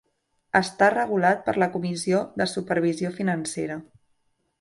Està regulat per la Comissió de Supervisió Financera.